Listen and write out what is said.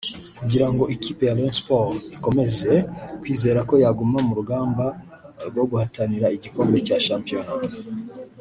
Kugira ngo ikipe ya Rayon Sports ikomeze kwizera ko yaguma mu rugamba rwo guhatanira igikombe cya shampiyona